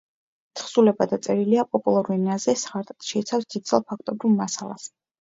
თხზულება დაწერილია პოპულარულ ენაზე, სხარტად, შეიცავს დიდძალ ფაქტობრივ მასალას.